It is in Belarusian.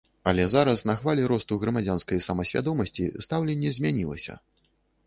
Але зараз на хвалі росту грамадзянскай самасвядомасці стаўленне змянілася.